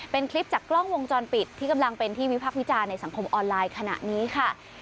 เป็นคลิปจากกล้องวงจรปิดที่กำลังเป็นที่วิพักษ์วิจารณ์ในสังคมออนไลน์ขณะนี้ค่ะ